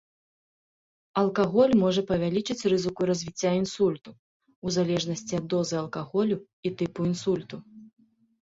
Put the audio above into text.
Алкаголь можа павялічыць рызыку развіцця інсульту, у залежнасці ад дозы алкаголю і тыпу інсульту.